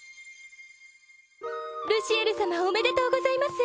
ルシエル様おめでとうございます